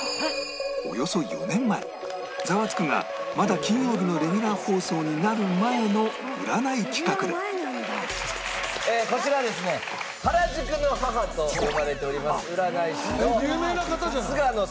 およそ４年前『ザワつく！』がまだ金曜日のレギュラー放送になる前の占い企画でこちらはですね原宿の母と呼ばれております占い師の菅野鈴子さんでございます。